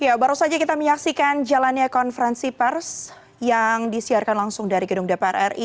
ya baru saja kita menyaksikan jalannya konferensi pers yang disiarkan langsung dari gedung dpr ri